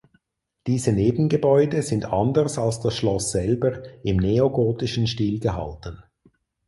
Diese Nebengebäude sind anders als das Schloss selber im neogotischen Stil gehalten.